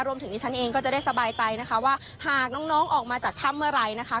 รวมถึงที่ฉันเองก็จะได้สบายใจนะคะว่าหากน้องน้องออกมาจากท่ำเมื่อไรนะคะ